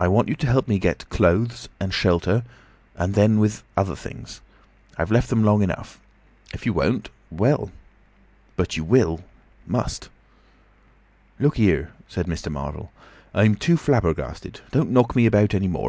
"I want you to help me get clothes—and shelter—and then, with other things. I've left them long enough. If you won't—well! But you will—must." "Look here," said Mr. Marvel. "I'm too flabbergasted. Don't knock me about any more.